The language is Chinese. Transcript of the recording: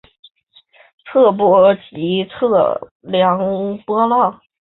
测波即测量波浪。